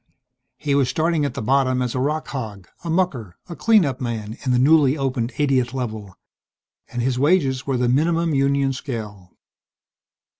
He was starting at the bottom as a rock hog, a mucker, a clean up man in the newly opened 80th Level. And his wages were the minimum union scale.